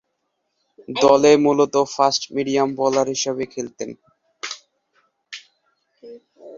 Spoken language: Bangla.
দলে মূলতঃ ফাস্ট মিডিয়াম বোলার হিসেবে খেলতেন।